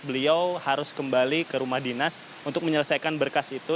beliau harus kembali ke rumah dinas untuk menyelesaikan berkas itu